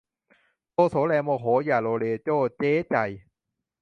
โทโสแลโมโห อย่าโลเลโจ้เจ้ใจ